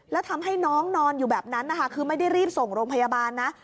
แล้วทำให้น้องนอนอยู่แบบนั้นนะคะคือไม่ได้รีบส่งโรงพยาบาลนะ